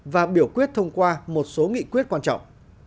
và biểu quyết thông qua một số nghị quyết quan trọng